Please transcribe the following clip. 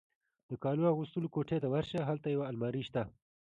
د کالو اغوستلو کوټې ته ورشه، هلته یو المارۍ شته.